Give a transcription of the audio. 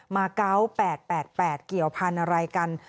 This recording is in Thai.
มาเกาะ๘๘เกี่ยวพันธุ์อะไรกัน